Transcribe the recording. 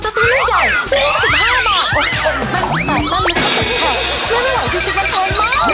โอ๊ยแม่งจิตแต่งแม่งมันก็เต็มแข็ง